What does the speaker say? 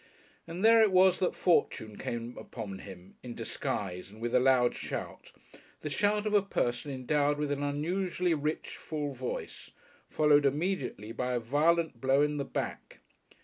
And there it was that Fortune came upon him, in disguise and with a loud shout, the shout of a person endowed with an unusually rich, full voice, followed immediately by a violent blow in the back.